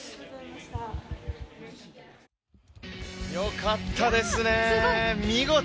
よかったですね、見事。